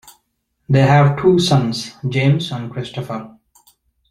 They have two sons: James and Christopher.